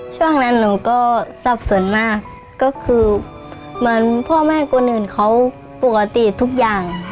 ช่วงนั้นหนูก็สับสนมากก็คือเหมือนพ่อแม่คนอื่นเขาปกติทุกอย่างค่ะ